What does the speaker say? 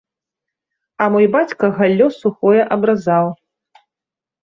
А мой бацька галлё сухое абразаў.